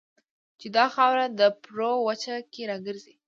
چې دا خاوره ده پر وچه کې راګېره